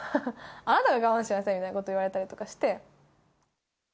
「あなたが我慢しなさい」みたいなこと言われたりとかして。